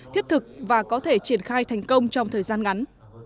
thiết thực và có thể triển khai thành công trong thời gian ngắn